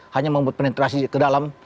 hanya membuat penetrasi ke dalam